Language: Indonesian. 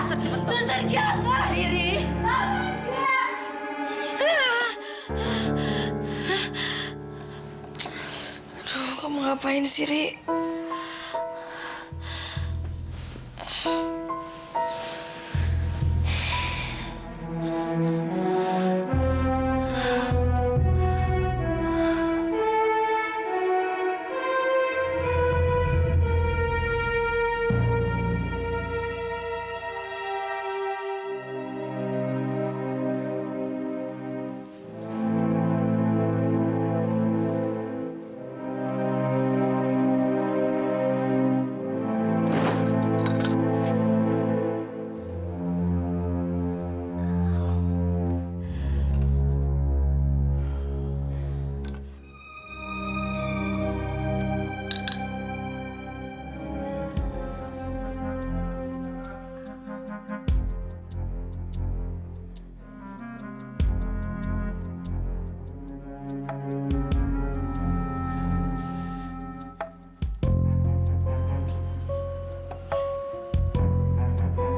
sebentar lagi aku akan pergi aku sangat jauh